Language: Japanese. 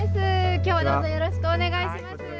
きょうはどうぞよろしくお願いします。